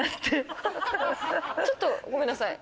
ちょっとごめんなさい。